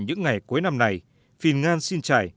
những ngày cuối năm này phìn ngăn xin trải